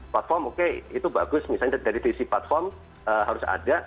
platform oke itu bagus misalnya dari sisi platform harus ada